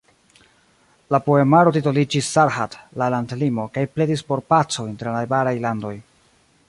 La poemaro titoliĝis "Sarhad" (La landlimo) kaj pledis por paco inter la najbaraj landoj.